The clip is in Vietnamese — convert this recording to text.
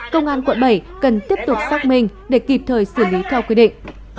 công an quận bảy cần tiếp tục xác minh để kịp thời xử lý theo quy định